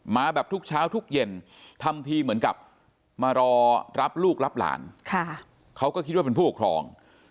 มาแบบทุกเช้าทุกเย็น